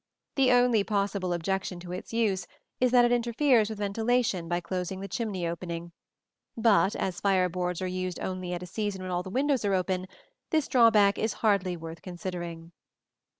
The only possible objection to its use is that it interferes with ventilation by closing the chimney opening; but as fire boards are used only at a season when all the windows are open, this drawback is hardly worth considering.